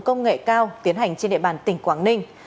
công nghệ cao tiến hành trên địa bàn tỉnh quảng ninh